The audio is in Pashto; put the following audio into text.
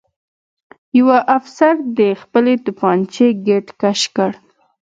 یوه افسر د خپلې توپانچې ګېټ کش کړ